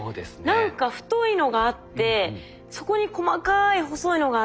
何か太いのがあってそこに細かい細いのがあって。